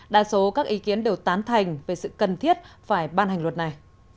đa số các ý kiến đều tán thành về sự cần thiết phải ban hành luật này